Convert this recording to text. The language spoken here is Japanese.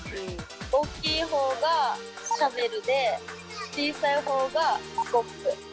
大きい方がシャベルで小さい方がスコップ。